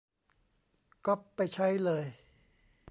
ก๊อปไปใช้เลย